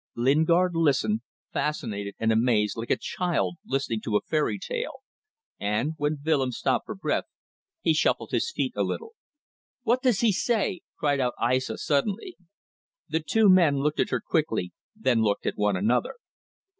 Lingard listened, fascinated and amazed like a child listening to a fairy tale, and, when Willems stopped for breath, he shuffled his feet a little. "What does he say?" cried out Aissa, suddenly. The two men looked at her quickly, and then looked at one another.